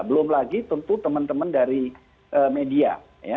belum lagi tentu teman teman dari media